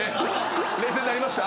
冷静になりました？